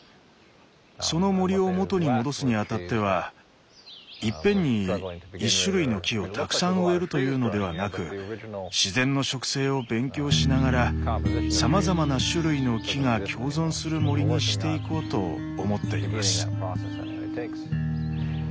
その森を元に戻すに当たってはいっぺんに１種類の木をたくさん植えるというのではなく自然の植生を勉強しながらさまざまな種類の木が共存する森にしていこうと思っています。